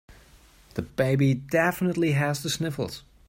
The baby definitely has the sniffles.